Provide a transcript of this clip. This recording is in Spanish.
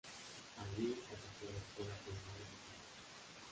Allí asistió a la escuela primaria y secundaria.